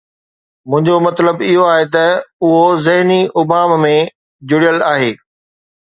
منهنجو مطلب اهو آهي ته اهو ذهني ابهام ۾ جڙيل آهي.